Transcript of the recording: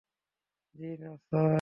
জ্বি না স্যার।